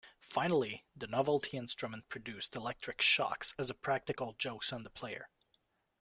Finally, the novelty instrument produced electric shocks as practical jokes on the player.